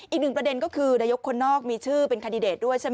อีกหนึ่งประเด็นก็คือนายกคนนอกมีชื่อเป็นคันดิเดตด้วยใช่ไหม